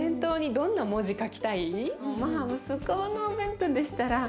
まあ息子のお弁当でしたら。